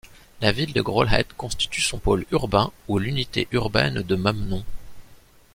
La ville de Graulhet constitue son pôle urbain ou l'unité urbaine de même nom.